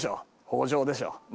北条でしょ。